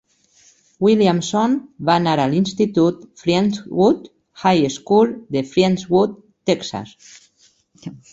Williamson va anar a l'institut Friendswood High School de Friendswood, Texas.